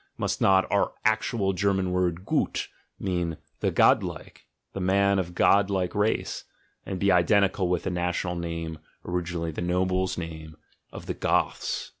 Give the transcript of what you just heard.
Must not our actual German word gut mean "the godlike, the io THE GEXEALOGY OF MORALS man of godlike race"? and be identical with the national name (originally the nobles' name) of the Goths?